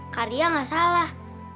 karya ga salah